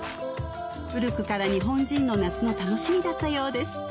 古くから日本人の夏の楽しみだったようです